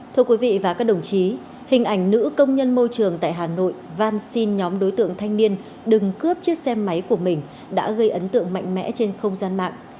thưa quý vị và các đồng chí hình ảnh nữ công nhân môi trường tại hà nội van xin nhóm đối tượng thanh niên đừng cướp chiếc xe máy của mình đã gây ấn tượng mạnh mẽ trên không gian mạng